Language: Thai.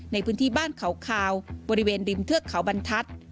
ในพื้นที่บ้านเขาคาวบริเวณริมเทือกเขาบรรทัศน์